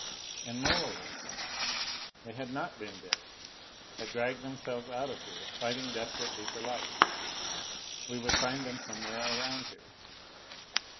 And Moa was gone! They had not been dead. Had dragged themselves out of here, fighting desperately for life. We would find them somewhere around here.